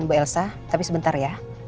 bu elsa tapi sebentar ya